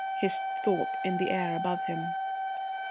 hissed Thorpe in the air above him.